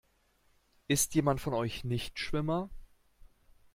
Ist jemand von euch Nichtschwimmer?